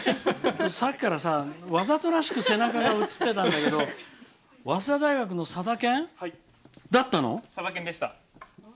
さっきからさ、わざとらしく背中が映ってたんだけど早稲田大学のさだ研だったの？